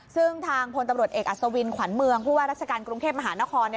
ซึ่งทางพลตำรวจเอกอัศวินขวัญเมืองผู้ว่าราชการกรุงเทพมหานคร